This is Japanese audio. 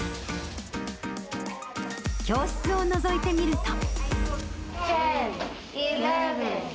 教室をのぞいてみると。